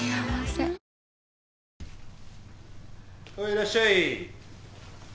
いらっしゃい！